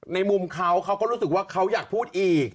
ในมุมเขาเขาก็รู้สึกว่าเขาอยากพูดอีก